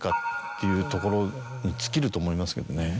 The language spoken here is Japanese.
いうところに尽きると思いますけどね。